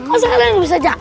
masa ada yang bisa jawab